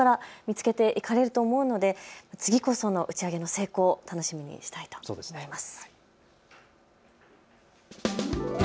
もしくはこれから見つけてくれると思うので次こその打ち上げの成功、楽しみにしたいと思います。